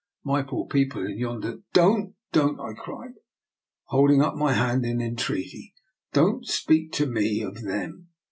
My poor people in yon der "" Don't, don't," I cried, holding up my hand in entreaty. " Don't speak to me of them.